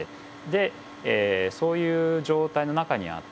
でそういう状態の中にあって。